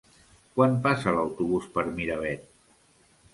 Quan passa l'autobús per Miravet?